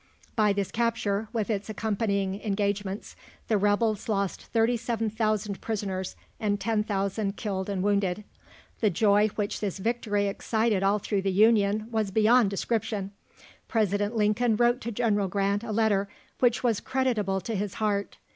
By this capture, with its accompanying engagements, the rebels lost 37,000 prisoners and 10,000 killed and wounded. The joy which this victory excited all through the Union was beyond description. President Lincoln wrote to General Grant a letter which was creditable to his heart.